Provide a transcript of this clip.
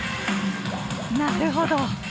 なるほど！